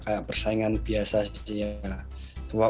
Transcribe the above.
kayak persaingan biasa sih ya